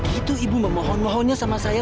gitu ibu memohon mohonnya sama saya